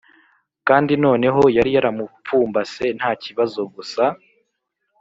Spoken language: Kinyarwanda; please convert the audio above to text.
kandi noneho yari yamupfumbase ntakibazo gusa